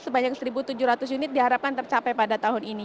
sebanyak satu tujuh ratus unit diharapkan tercapai pada tahun ini